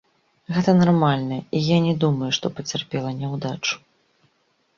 Гэта нармальна, і я не думаю, што пацярпела няўдачу.